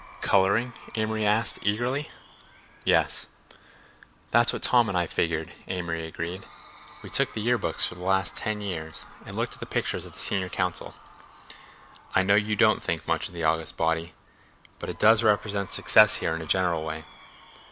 "Coloring?" Amory asked eagerly. "Yes." "That's what Tom and I figured," Amory agreed. "We took the year books for the last ten years and looked at the pictures of the senior council. I know you don't think much of that august body, but it does represent success here in a general way.